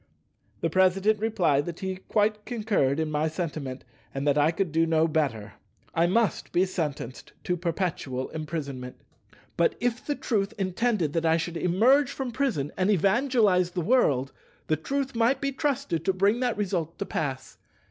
The President replied that he quite concurred in my sentiment, and that I could not do better. I must be sentenced to perpetual imprisonment; but if the Truth intended that I should emerge from prison and evangelize the world, the Truth might be trusted to bring that result to pass.